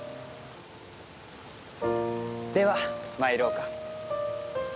では、参ろうか。